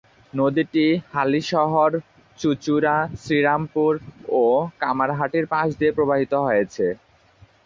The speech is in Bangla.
নদীটি হালিশহর, চুঁচুড়া, শ্রীরামপুর ও কামারহাটির পাশ দিয়ে প্রবাহিত হয়েছে।